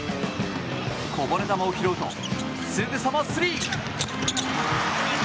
こぼれ球を拾うとすぐさまスリー！